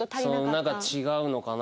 なんか違うのかな？